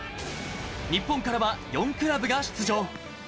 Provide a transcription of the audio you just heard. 日本からは４クラブが出場。